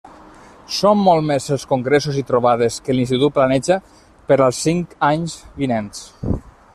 Són molts més els congressos i trobades que l'institut planeja per als cinc anys vinents.